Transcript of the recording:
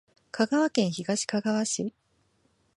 香川県東かがわ市